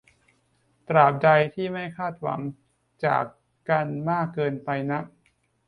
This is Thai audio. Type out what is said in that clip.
ตราบใดที่ไม่คาดหวังจากกันมากเกินไปนัก